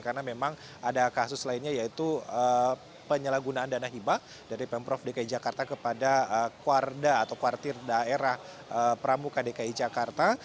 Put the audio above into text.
karena memang ada kasus lainnya yaitu penyalahgunaan dana hibah dari pemprov dki jakarta kepada kuarda atau kuartir daerah pramuka dki jakarta